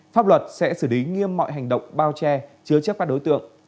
pháp luật sẽ xử lý nghiêm mọi hành động bao che chứa chấp các đối tượng